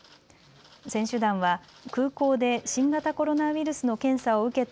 選手団は空港で新型コロナウイルスの検査を受けた